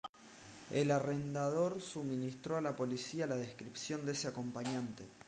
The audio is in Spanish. El arrendador suministró a la policía la descripción de ese acompañante.